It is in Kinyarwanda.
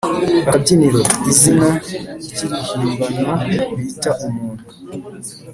akabyiniriro: izina ry’irihimbano bita umuntu